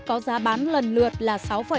có giá bán lần lượt là sáu năm